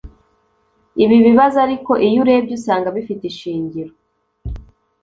Ibi bibazo ariko iyo urebye usanga bifite ishingiro